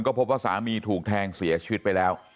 ก็พบว่าสามีถูกแทงเสียชีวิตไปแล้ว